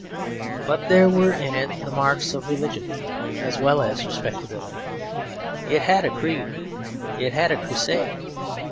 But there were in it the marks of religion as well as respectability; it had a creed; it had a crusade.